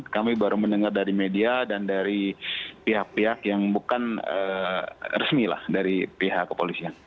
kami baru mendengar dari media dan dari pihak pihak yang bukan resmi lah dari pihak kepolisian